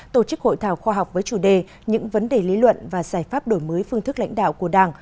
tổ chức hội thảo khoa học với chủ đề những vấn đề lý luận và giải pháp đổi mới phương thức lãnh đạo của đảng